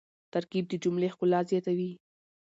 ترکیب د جملې ښکلا زیاتوي.